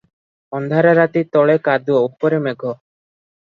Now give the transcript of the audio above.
ଅନ୍ଧାର ରାତି- ତଳେ କାଦୁଅ- ଉପରେ ମେଘ ।